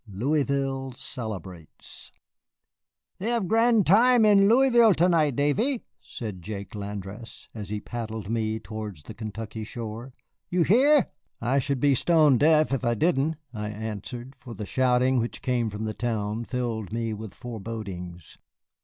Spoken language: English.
LOUISVILLE CELEBRATES "They have gran' time in Louisville to night, Davy," said Jake Landrasse, as he paddled me towards the Kentucky shore; "you hear?" "I should be stone deaf if I didn't," I answered, for the shouting which came from the town filled me with forebodings.